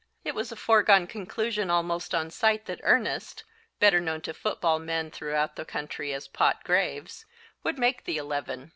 It was a foregone conclusion almost on sight that Ernest, better known to football men throughout the country as Pot Graves, would make the Eleven.